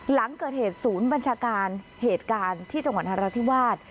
หลังเกิดเหตุศูนย์บัญชาการเหตุการณ์ที่จังหวัดนราธิวาส